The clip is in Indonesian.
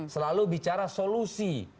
selalu bicara solusi